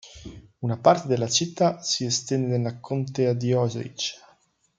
Una parte della città si estende nella contea di Osage.